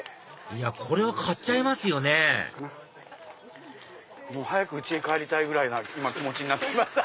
いやこれは買っちゃいますよね早く家へ帰りたい気持ちになって来ました。